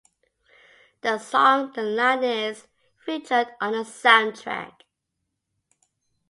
The song "The Line" is featured on the soundtrack.